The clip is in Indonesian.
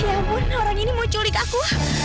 ya ampun orang ini mau culik aku